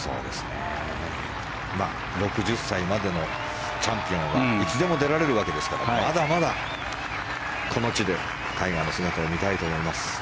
６０歳までのチャンピオンはいつでも出られるわけですからまだまだこの地でタイガーの姿を見たいと思います。